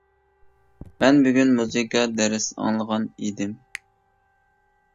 مەن بۈگۈن مۇزىكا دەرس ئاڭلىغان ئىدىم.